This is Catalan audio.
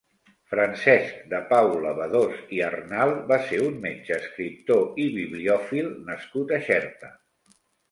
Francesc de Paula Bedós i Arnal va ser un metge, escriptor i bibliòfil nascut a Xerta.